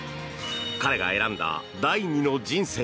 彼が選んだ第二の人生。